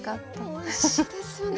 おいしいですよね。